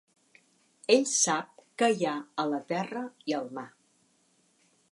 Ell sap què hi ha a la terra i al mar.